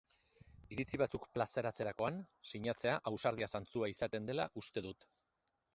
Iritzi batzuk plazaratzerakoan sinatzea ausardia zantzua izaten dela uste dut.